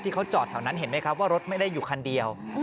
เขาจอดแถวนั้นเห็นไหมครับว่ารถไม่ได้อยู่คันเดียว